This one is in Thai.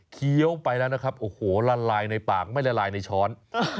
เคี้ยวไปแล้วนะครับโอ้โหละลายในปากไม่ละลายในช้อน